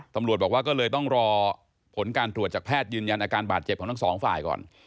ตำรวจบอกว่าก็เลยต้องรอผลการตรวจจากแพทย์ยืนยันอาการบาดเจ็บของทั้งสองฝ่ายก่อน